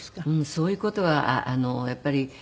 そういう事はやっぱり。